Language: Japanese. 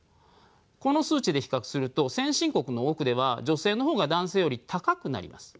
この数値で比較すると先進国の多くでは女性の方が男性より高くなります。